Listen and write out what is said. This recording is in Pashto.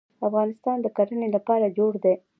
افغانستان د کرنې لپاره جوړ دی.